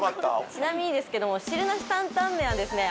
ちなみにですけども汁なし担々麺はですね